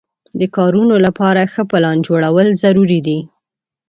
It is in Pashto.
د کارونو لپاره ښه پلان جوړول ضروري دي.